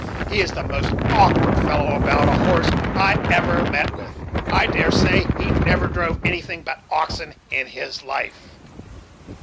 He is the most awkward fellow about a horse I ever met with. I dare say he never drove anything but oxen in his life."